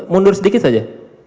mundur sedikit saja